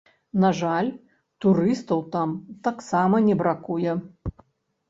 На жаль, турыстаў там таксама не бракуе.